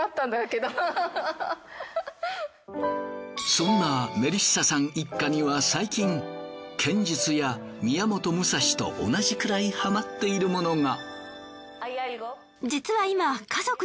そんなメリッサさん一家には最近剣術や宮本武蔵と同じくらいハマっているものが。